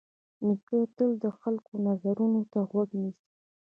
نیکه تل د خلکو د نظرونو ته غوږ نیسي.